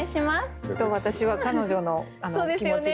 私は彼女の気持ちで。